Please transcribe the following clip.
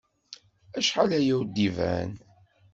Acḥal aya ur d-iban.